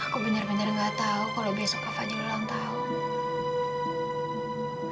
aku bener bener nggak tahu kalau besok kak fadil ulang tahun